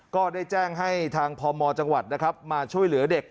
ก็ได้แจ้งให้ทางพมจังหวัดนะครับมาช่วยเหลือเด็ก